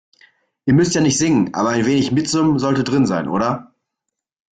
Ihr müsst ja nicht singen, aber ein wenig Mitsummen sollte drin sein, oder?